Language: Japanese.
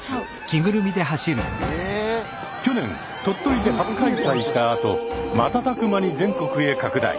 去年鳥取で初開催したあと瞬く間に全国へ拡大。